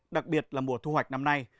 đặc biệt là mùa thu hoạch năm nay